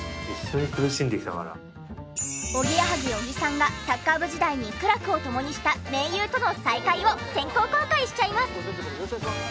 おぎやはぎ小木さんがサッカー部時代に苦楽を共にした盟友との再会を先行公開しちゃいます！